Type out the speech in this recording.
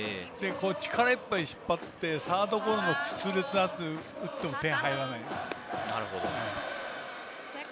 力いっぱい引っ張ってサードゴロの痛烈な当たりを打っても点が入らないんです。